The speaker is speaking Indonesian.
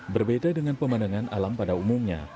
berbeda dengan pemandangan alam pada umumnya